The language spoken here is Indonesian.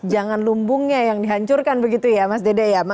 jangan lumbungnya yang dihancurkan begitu ya mas dede ya